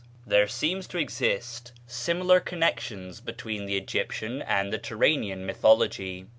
There seem to exist similar connections between the Egyptian and the Turanian mythology.